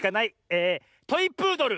えトイプードル。